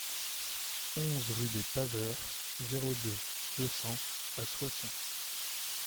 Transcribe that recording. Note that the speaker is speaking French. onze rue des Paveurs, zéro deux, deux cents à Soissons